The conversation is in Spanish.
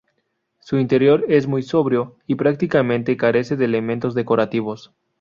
Su interior es muy sobrio y prácticamente carece de elementos decorativos.